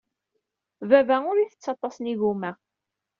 Baba ur ittett aṭas n yigumma.